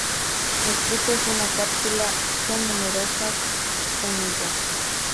El fruto es una cápsula son numerosas semillas.